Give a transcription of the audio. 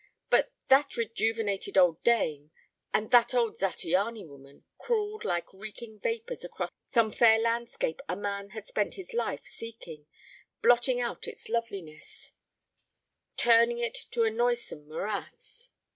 But "that rejuvenated old dame," and "that old Zattiany woman" crawled like reeking vapors across some fair landscape a man had spent his life seeking, blotting out its loveliness, turning it to a noisome morass.